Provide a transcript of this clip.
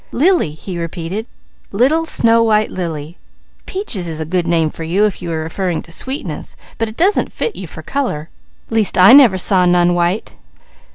"Lily!" he repeated. "Little snow white lily! Peaches is a good name for you if you're referring to sweetness, but it doesn't fit for colour. Least I never saw none white.